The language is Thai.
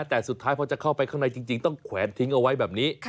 แต่สุดท้ายพอจะเข้าไปข้างในจริงต้องแขวนทิ้งเอาไว้แบบนี้